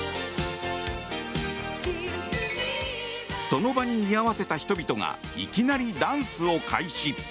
その場に居合わせた人々がいきなりダンスを開始。